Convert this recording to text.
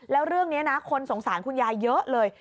แล้วเรื่องนี้นะคนสงสารคุณยายเยอะเลย